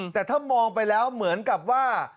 แต่ถ้ามองไปแล้วเหมือนกับว่า